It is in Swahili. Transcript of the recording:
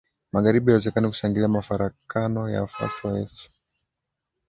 magharibi Haiwezekani kushangilia mafarakano ya wafuasi wa Yesu